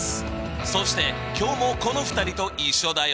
そして今日もこの２人と一緒だよ。